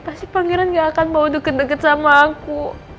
pasti pangeran gak akan bawa deket deket sama aku